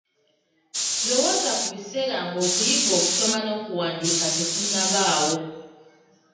Lowooza ku biseera ng’okuyiga okusoma n’okuwandiika tekunnabaawo!